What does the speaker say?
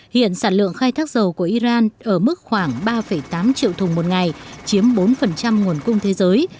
hiện sản lượng khai thác dầu của iran ở mức khoảng ba tám triệu thùng một ngày chiếm bốn nguồn cung thế giới